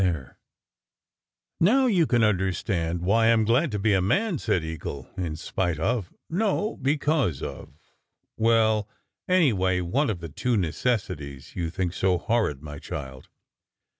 SECRET HISTORY 99 "Now you can understand why I m glad to be a man," said Eagle, "in spite of no, because of well, anyway one of the two necessities you think so horrid, my child.